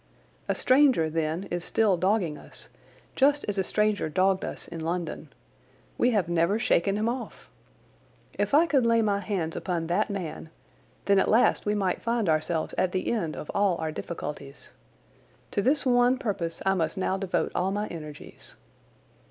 A stranger then is still dogging us, just as a stranger dogged us in London. We have never shaken him off. If I could lay my hands upon that man, then at last we might find ourselves at the end of all our difficulties. To this one purpose I must now devote all my energies.